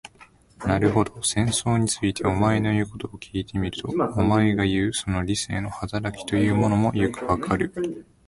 なるほど、戦争について、お前の言うことを聞いてみると、お前がいう、その理性の働きというものもよくわかる。